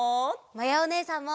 まやおねえさんも！